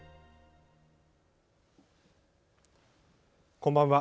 こんばんは。